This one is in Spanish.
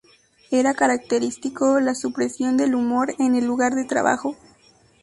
Era característico la supresión del humor en el lugar de trabajo.